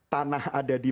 tanah ada di